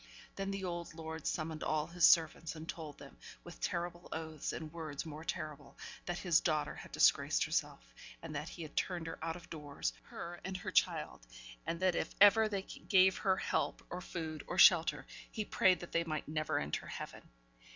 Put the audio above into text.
Then the old lord summoned all his servants, and told them, with terrible oaths, and words more terrible, that his daughter had disgraced herself, and that he had turned her out of doors her, and her child and that if ever they gave her help, or food, or shelter, he prayed that they might never enter heaven.